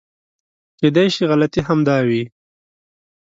کېدای شي غلطي همدا وي .